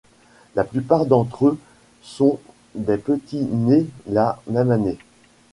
La plupart d'entre eux sont des petits nés la même année.